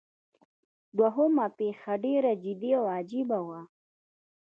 دوهمه پیښه ډیره جدي او عجیبه وه.